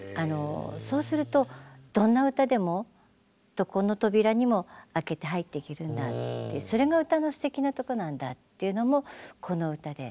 そうするとどんな歌でもどこの扉にも開けて入って行けるんだってそれが歌のすてきなとこなんだっていうのもこの歌で。